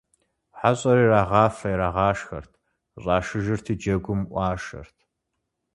ХьэщӀэр ирагъафэ-ирагъашхэрт, къыщӀашыжырти джэгум Ӏуашэрт.